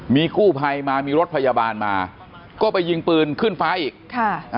มีกู้ภัยมามีรถพยาบาลมาก็ไปยิงปืนขึ้นฟ้าอีกค่ะ